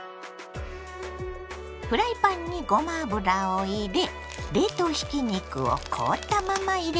フライパンにごま油を入れ冷凍ひき肉を凍ったまま入れます。